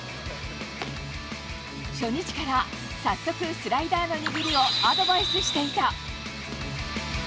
初日から早速スライダーの握りをアドバイスしていた。